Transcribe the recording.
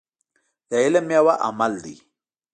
د علم ميوه عمل دی.